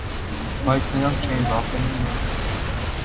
Բայց նրանք չէի՞ն վախենում մեռնել…